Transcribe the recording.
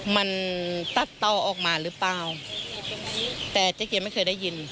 มันตัดเตาออกมาหรือเปล่าแต่เจ๊เกียวไม่เคยได้ยิน